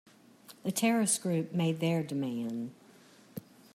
The terrorist group made their demand.